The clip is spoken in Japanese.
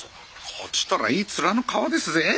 こちとらいい面の皮ですぜ。